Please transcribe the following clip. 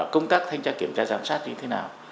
công tác thanh tra kiểm tra giám sát như thế nào